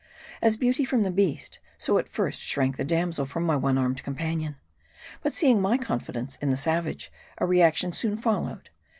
As Beauty from the Beast, so at first shrank the damsel from my one armed companion. But seeing my confidence in the savage, a reaction soon followed.